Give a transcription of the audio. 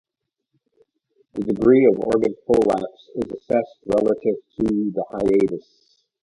The degree of organ prolapse is assessed relative to the hiatus.